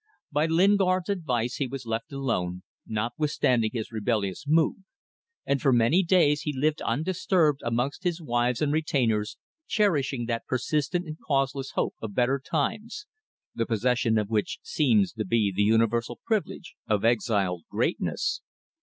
By Lingard's advice he was left alone, notwithstanding his rebellious mood; and for many days he lived undisturbed amongst his wives and retainers, cherishing that persistent and causeless hope of better times, the possession of which seems to be the universal privilege of exiled greatness.